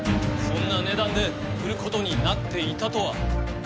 そんな値段で売ることになっていたとは。